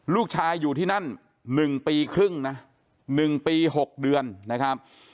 ลูกชายอยู่ที่นั่นหนึ่งปีครึ่งนะหนึ่งปีหกเดือนนะครับ